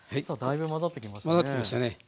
さあだいぶ混ざってきましたね。